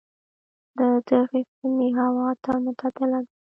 د دغې سیمې هوا تل معتدله ده.